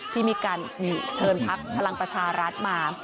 ที่มีการเชิญพักพลังประชารัฐมา